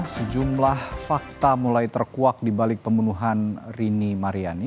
sejumlah fakta mulai terkuak di balik pembunuhan rini mariani